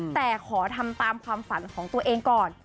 แต่ขอทำตามความฝันของตัวเองก่อน